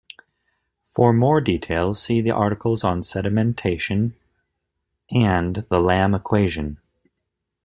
For more details, see the articles on sedimentation and the Lamm equation.